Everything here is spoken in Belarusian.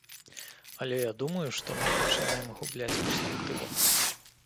Але я думаю, што мы пачынаем губляць перспектыву.